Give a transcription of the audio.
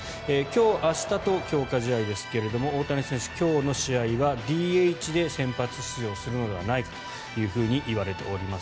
今日、明日と強化試合ですが大谷選手、今日の試合はＤＨで先発出場するのではないかといわれております。